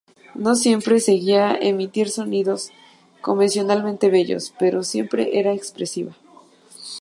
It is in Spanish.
No siempre conseguía emitir sonidos convencionalmente bellos, pero siempre era expresiva.